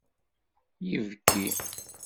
Ibki.